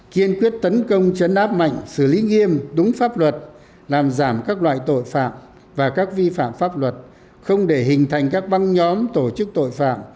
kiên quyết tấn công chấn áp mạnh xử lý nghiêm đúng pháp luật làm giảm các loại tội phạm và các vi phạm pháp luật không để hình thành các băng nhóm tổ chức tội phạm